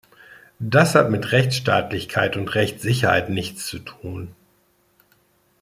Das hat mit Rechtsstaatlichkeit und Rechtssicherheit nichts zu tun.